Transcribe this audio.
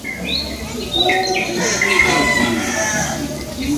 obscuridade